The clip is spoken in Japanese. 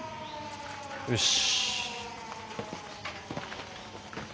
よし。